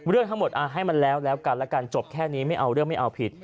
เรื่องทั้งหมดให้มันแล้วแล้วกันแล้วกันจบแค่นี้ไม่เอาเรื่องไม่เอาผิด